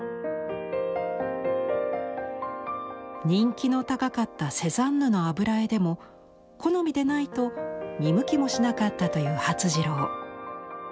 人気の高かったセザンヌの油絵でも好みでないと見向きもしなかったという發次郎。